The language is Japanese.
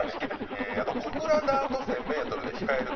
あと小倉ダート１０００メートルで控える騎手